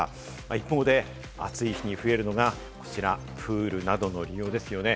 一方で暑い日に増えるのが、こちらプールなどの利用ですよね。